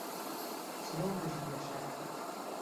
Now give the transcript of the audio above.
چلۆن بژیم لە شارەکەت